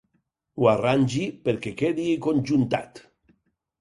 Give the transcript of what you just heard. Ho arrangi perquè quedi conjuntat.